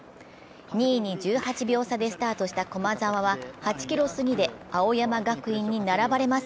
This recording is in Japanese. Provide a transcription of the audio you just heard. ２位に１８秒差でスタートした駒沢は８ｋｍ過ぎで青山学院に並ばれます。